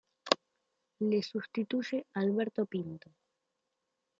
Le sustituye Alberto Pinto.